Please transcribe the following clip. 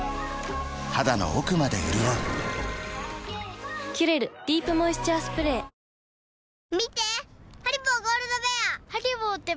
肌の奥まで潤う「キュレルディープモイスチャースプレー」回転寿司チェーンのはま寿司。